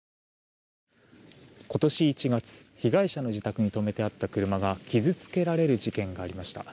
今年１月、被害者の自宅に止めてあった車が傷つけられる事件がありました。